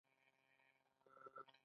بدن تود دی.